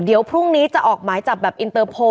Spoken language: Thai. เดี๋ยวพรุ่งนี้จะออกหมายจับแบบอินเตอร์โพล